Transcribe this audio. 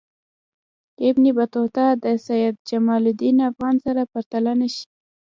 ابن بطوطه او سیدجماالدین افغان سره پرتله نه شي.